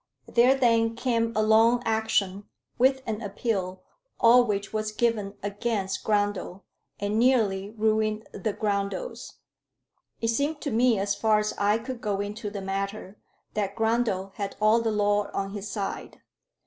There then came on a long action, with an appeal, all which was given against Grundle, and nearly ruined the Grundles. It seemed to me, as far as I could go into the matter, that Grundle had all the law on his side.